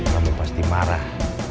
kamu pasti marah